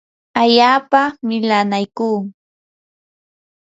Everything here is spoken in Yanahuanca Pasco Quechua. allaapa milanaykuu.